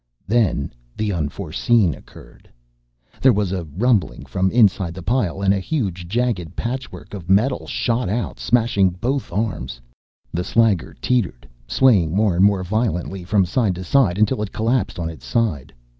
Then the unforeseen occurred. There was a rumbling from inside the pile and a huge jagged patchwork of metal shot out, smashing both arms. The slagger teetered, swaying more and more violently from side to side until it collapsed on its side.